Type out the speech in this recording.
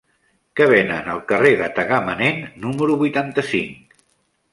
Què venen al carrer de Tagamanent número vuitanta-cinc?